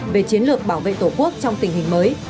về chiến lược bảo vệ tổ quốc trong tình hình mới